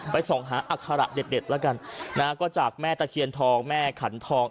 ไปส่งหาแดดแดดละกันน่ะก็จากแม่ตะเคียนทองแม่ขันทอง